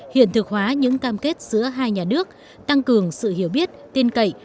hiện thực hóa những cam kết giữa hai nhà nước tăng cường sự hiểu biết tin cậy